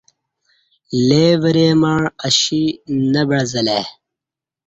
لے وری مع اشی نہ بعزہ لہ ای